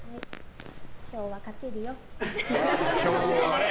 今日は勝てるよ。